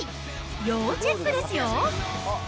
要チェックですよ。